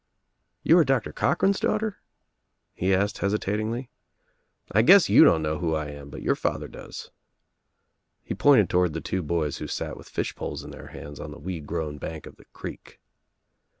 "You are Doctor Cochran's daughter?" he asked hesitatingly. "I guess you don't know who I am but your father does." He pointed toward the two boys who sat with fishpoles in their hands on the weed grown bank of the creek.